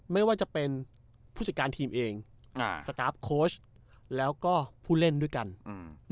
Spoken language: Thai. ไม่ว่าจะเป็นผู้จัดการทีมเองอ่าสตาร์ฟโค้ชแล้วก็ผู้เล่นด้วยกันอืม